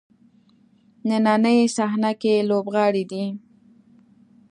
نننۍ صحنه کې لوبغاړی دی.